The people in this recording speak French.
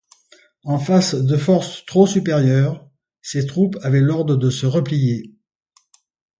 En face de forces trop supérieures, ces troupes avaient ordre de se replier.